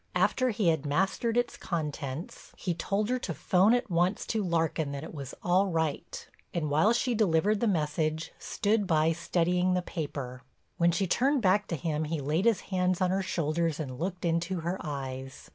After he had mastered its contents he told her to 'phone at once to Larkin that it was all right, and while she delivered the message, stood by studying the paper. When she turned back to him he laid his hands on her shoulders and looked into her eyes.